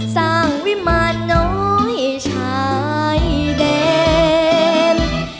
สร้างวิมารน้อยชายแดน